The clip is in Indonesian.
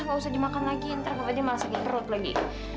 nggak usah dimakan lagi entar kepadanya sakit perut lagi